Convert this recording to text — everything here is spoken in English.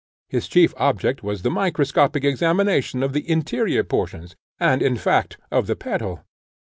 His chief object was the microscopic examination of the interior portions, and, in fact, of the petal.